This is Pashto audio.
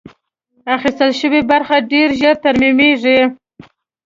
اخیستل شوې برخه ډېر ژر ترمیمېږي.